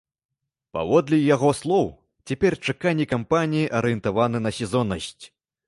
Паводле яго слоў, цяпер чаканні кампаній арыентаваны на сезоннасць.